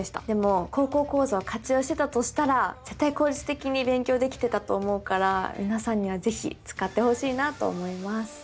でも「高校講座」を活用してたとしたら絶対効率的に勉強できてたと思うから皆さんには是非使ってほしいなと思います。